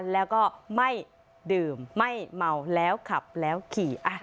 แล้วก็ไม่ดื่มไม่เมาแล้วขับแล้วขี่